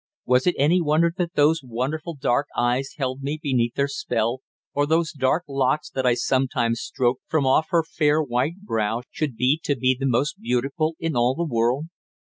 Was it any wonder that those wonderful dark eyes held me beneath their spell, or those dark locks that I sometimes stroked from off her fair white brow should be to me the most beautiful in all the world?